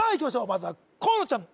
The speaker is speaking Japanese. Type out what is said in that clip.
まずは河野ちゃん